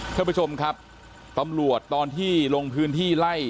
ท่านผู้ชมครับตำรวจตอนที่ลงพื้นที่ไล่